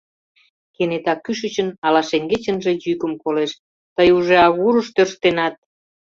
Кенета кӱшычын ала шеҥгечынже йӱкым колеш: «Тый уже агурыш тӧрштенат.